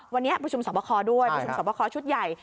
วันนี้ประชุมสอบคอด้วยประชุมสอบคอชุดใหญ่